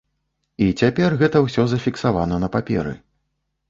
І цяпер гэта ўсё зафіксавана на паперы.